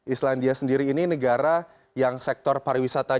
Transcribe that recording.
islandia sendiri ini negara yang sektor pariwisata